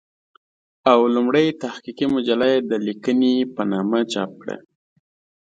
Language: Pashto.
او لومړۍ تحقيقي مجله يې د "ليکنې" په نامه چاپ کړه